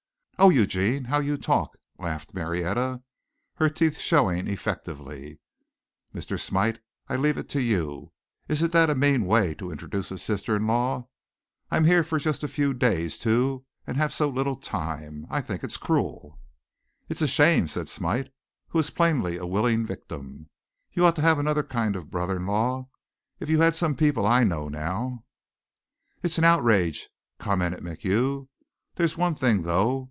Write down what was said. "Oh, Eugene, how you talk," laughed Marietta, her teeth showing effectively. "Mr. Smite, I leave it to you. Isn't that a mean way to introduce a sister in law? I'm here for just a few days too, and have so little time. I think it cruel!" "It's a shame!" said Smite, who was plainly a willing victim. "You ought to have another kind of brother in law. If you had some people I know now " "It's an outrage," commented MacHugh. "There's one thing though.